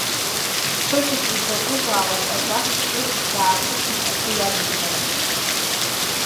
Сбыҳәоит изакәызаалак ажәак бҿы иааҭыхны аӡәы иабымҳәарц.